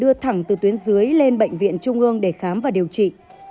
đưa thẳng từ tuyến dưới lên bệnh viện trung ương để khám và điều trị